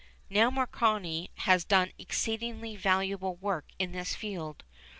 Now Marconi has done exceedingly valuable work in this field.